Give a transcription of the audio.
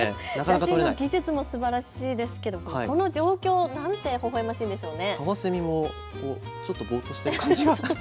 写真の技術もすばらしいですけどこの状況なんかほほ笑ましいですね。